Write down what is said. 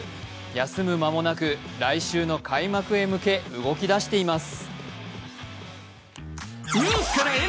休む間もなく来週の開幕へ向け動き出しています。